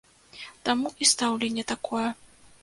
Таму і стаўленне такое.